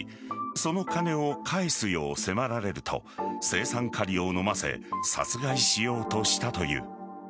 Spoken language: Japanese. その金を返すよう迫られると青酸カリを飲ませ殺害しようとしたという。